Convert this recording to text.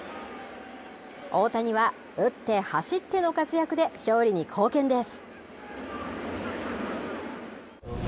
大谷は打って、走っての活躍で勝利に貢献です。